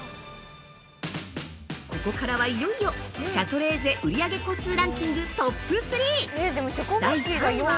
ここからは、いよいよシャトレーゼ売上個数ランキングトップ３。